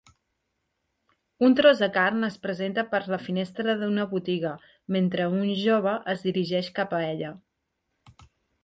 Un tros de carn es presenta per la finestra d'una botiga mentre un jove es dirigeix cap a ella